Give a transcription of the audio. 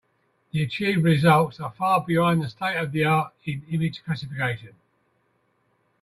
The achieved results are far behind the state-of-the-art in image classification.